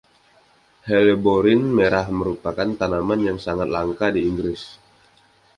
Helleborine Merah merupakan tanaman yang sangat langka di Inggris.